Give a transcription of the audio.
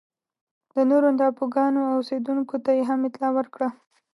د نورو ټاپوګانو اوسېدونکو ته یې هم اطلاع ورکړه.